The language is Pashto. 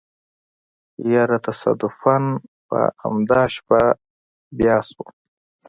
يره تصادفاً په امدا شپه بيا شوم.